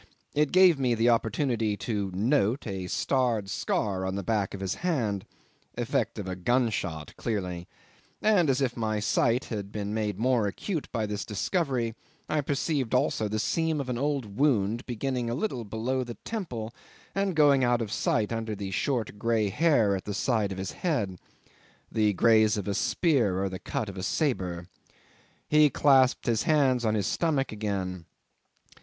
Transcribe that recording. It gave me the opportunity to "note" a starred scar on the back of his hand effect of a gunshot clearly; and, as if my sight had been made more acute by this discovery, I perceived also the seam of an old wound, beginning a little below the temple and going out of sight under the short grey hair at the side of his head the graze of a spear or the cut of a sabre. He clasped his hands on his stomach again.